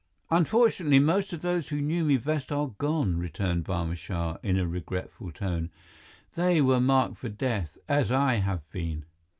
"Unfortunately, most of those who knew me best are gone," returned Barma Shah, in a regretful tone. "They were marked for death, as I have been."